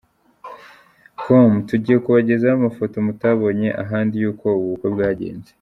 com tugiye kubagezaho amafoto mutabonye ahandi y’uko ubu bukwe bwagenze.